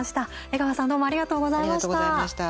江川さんどうもありがとうございました。